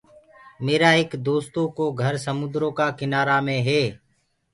ميرآ ايڪ دوستو ڪو گھر سموندرو ڪآ ڪِنآرآ مي هي۔